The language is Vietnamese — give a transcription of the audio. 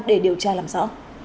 để điều tra làm rõ